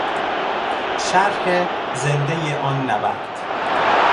شرح زندهی آن نبرد